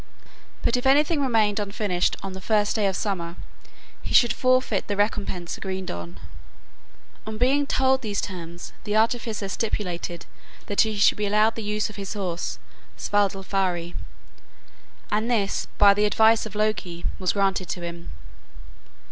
But if anything remained unfinished on the first day of summer he should forfeit the recompense agreed on. On being told these terms the artificer stipulated that he should be allowed the use of his horse Svadilfari, and this by the advice of Loki was granted to him.